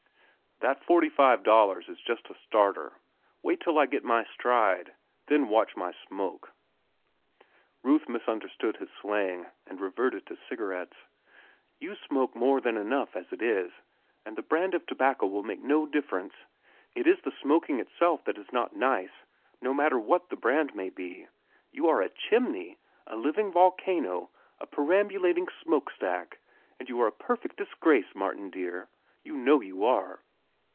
That forty five dollars is just a starter. Wait till I get my stride. Then watch my smoke." Ruth misunderstood his slang, and reverted to cigarettes. "You smoke more than enough as it is, and the brand of tobacco will make no difference. It is the smoking itself that is not nice, no matter what the brand may be. You are a chimney, a living volcano, a perambulating smoke stack, and you are a perfect disgrace, Martin dear, you know you are."